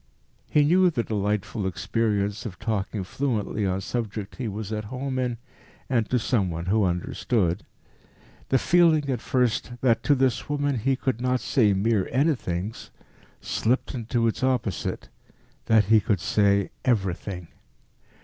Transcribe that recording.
He knew the delightful experience of talking fluently on subjects he was at home in, and to some one who understood. The feeling at first that to this woman he could not say mere anythings, slipped into its opposite that he could say everything.